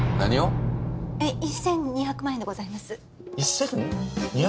１，２００万？でございます。